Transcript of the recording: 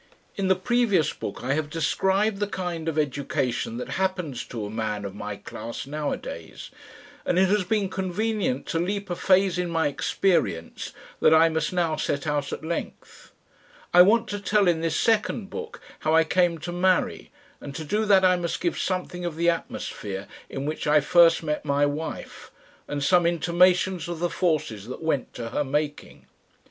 In the previous book I have described the kind of education that happens to a man of my class nowadays, and it has been convenient to leap a phase in my experience that I must now set out at length. I want to tell in this second hook how I came to marry, and to do that I must give something of the atmosphere in which I first met my wife and some intimations of the forces that went to her making.